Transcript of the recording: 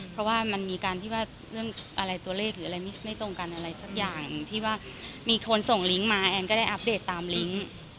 เพราะว่ามันมีการที่ว่าเรื่องอะไรตัวเลขหรืออะไรไม่ตรงกันอะไรสักอย่างที่ว่ามีคนส่งลิงก์มาแอนก็ได้อัปเดตตามลิงค์